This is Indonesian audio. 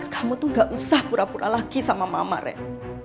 kamu tuh gak usah pura pura lagi sama mama rek